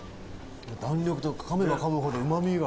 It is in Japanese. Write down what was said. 弾力とかめばかむほど、うまみが。